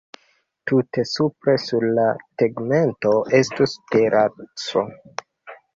Tute supre, sur la “tegmento”, estus teraso.